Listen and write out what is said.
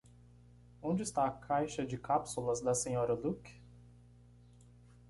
Onde está a caixa de cápsulas da Sra. Luke?